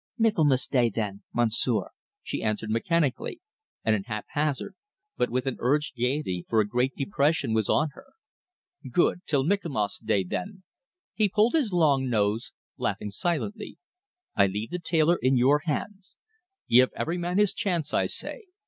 "Michaelmas day, then, Monsieur," she answered mechanically and at haphazard, but with an urged gaiety, for a great depression was on her. "Good. Till Michaelmas day, then!" He pulled his long nose, laughing silently.... "I leave the tailor in your hands. Give every man his chance, I say.